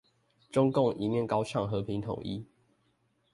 中共一面高唱和平統一